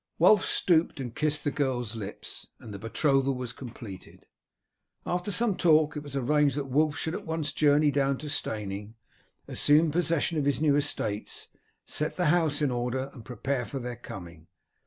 Wulf stooped and kissed the girl's lips, and the betrothal was completed. After some talk it was arranged that Wulf should at once journey down to Steyning, assume possession of his new estates, set the house in order, and prepare for their coming.